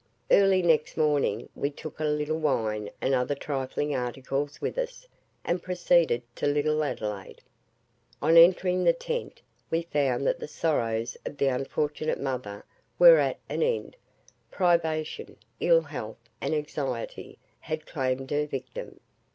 Early next morning we took a little wine and other trifling articles with us, and proceeded to Little Adelaide. On entering the tent, we found that the sorrows of the unfortunate mother were at an end; privation, ill health and anxiety had claimed their victim.